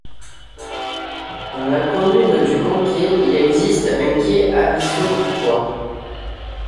Dans la commune du Conquet, il existe un Quai Aviso Vauquois.